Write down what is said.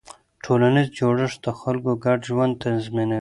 ټولنیز جوړښت د خلکو ګډ ژوند تنظیموي.